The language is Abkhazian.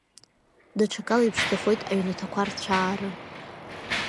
Даҽакала иԥшӡахоит аҩнаҭақәа рцәаара.